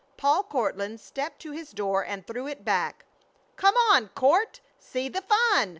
Paul Courtland stepped to his door and threw it back. "Come on, Court, see the fun!"